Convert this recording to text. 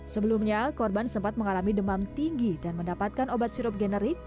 sebelumnya korban sempat mengalami demam tinggi dan mendapatkan obat sirup generik